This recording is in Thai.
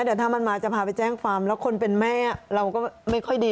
เดี๋ยวถ้ามันมาจะพาไปแจ้งความแล้วคนเป็นแม่เราก็ไม่ค่อยดี